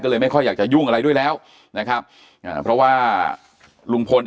ก็เลยไม่ค่อยอยากจะยุ่งอะไรด้วยแล้วนะครับอ่าเพราะว่าลุงพล